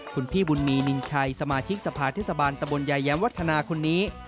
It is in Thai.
คุณพี่บุญมีนินชัยสมาชิกสภาเทศบาลตะบนยายแย้มวัฒนาคนนี้